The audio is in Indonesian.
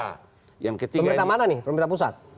pemerintah mana nih pemerintah pusat